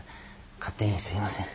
勝手にすいません。